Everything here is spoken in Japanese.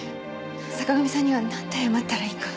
坂上さんにはなんて謝ったらいいか。